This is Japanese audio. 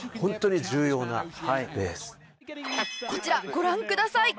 こちらご覧ください！